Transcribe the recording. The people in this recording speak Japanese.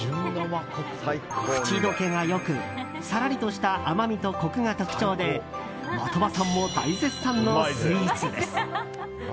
口溶けが良くさらりとした甘みとコクが特徴で的場さんも大絶賛のスイーツです。